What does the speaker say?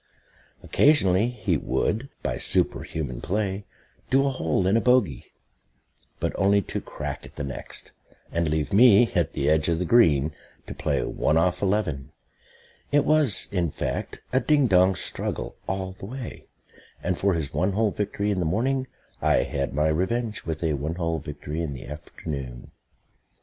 Occasionally he would, by superhuman play, do a hole in bogey; but only to crack at the next, and leave me, at the edge of the green, to play "one off eleven." It was, in fact, a ding dong struggle all the way; and for his one hole victory in the morning I had my revenge with a one hole victory in the afternoon.